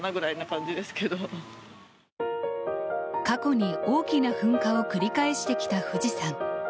過去に大きな噴火を繰り返してきた富士山。